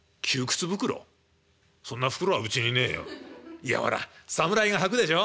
「いやほら侍がはくでしょ。